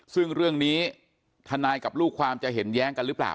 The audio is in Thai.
ซึ่งเรื่องนี้ทนายกับลูกความจะเห็นแย้งกันหรือเปล่า